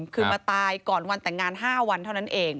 คือมาตายก่อนวันแต่งงาน๕วันเท่านั้นเอง